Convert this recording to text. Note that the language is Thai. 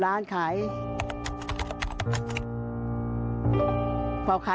แล้วนี่ไม่ไหวก็ตั้งร้านทำร้านขาย